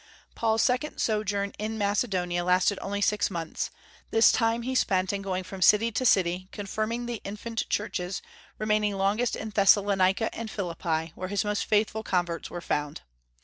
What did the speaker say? Paul's second sojourn in Macedonia lasted only six months; this time he spent in going from city to city confirming the infant churches, remaining longest in Thessalonica and Philippi, where his most faithful converts were found.